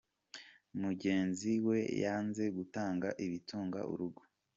Mugenzi we yanze gutanga ibitunga urugo,.